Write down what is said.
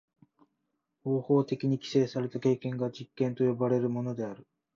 方法的に規制された経験が実験と呼ばれるものである。